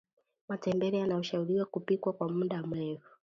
matembele yanashauriwa kupikwa kwa mda mfupi